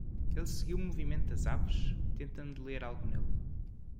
Ele seguiu o movimento das aves? tentando ler algo nele.